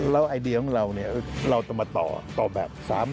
แล้วไอเดียของเราเราจะมาต่อต่อแบบ